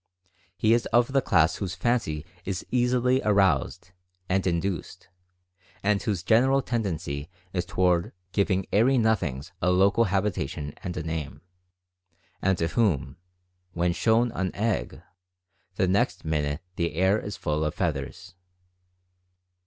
He is of the class whose fancy is easily aroused, and induced, and whose general tendency is toward "giving airy nothings a local habitation and a name," and to whom "when shown an tgg, the next minute the air is full of feathers."